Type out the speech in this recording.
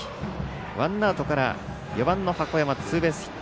ワンアウトから４番の箱山ツーベースヒット。